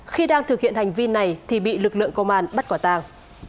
khi đang thực hiện hành vi này thì bị lực lượng công an bắt quả tàng